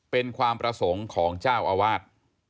เป็นความประสงค์ของเจ้าอาวาส